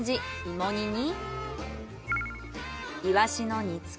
芋煮に。